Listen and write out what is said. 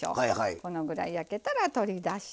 このぐらい焼けたら取り出して。